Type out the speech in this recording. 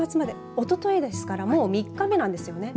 おとといですからもう３日目なんですよね。